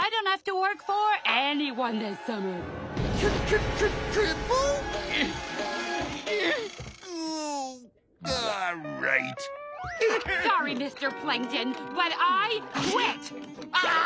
わあ！